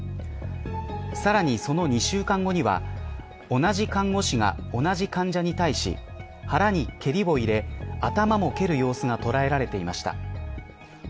さらに、その２週間後には同じ看護師が同じ患者に対し腹に蹴りを入れ頭も蹴る様子が捉えられていました。